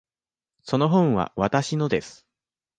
その本はわたしのです。